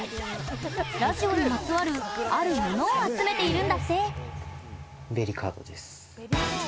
ラジオにまつわるあるものを集めているんだって。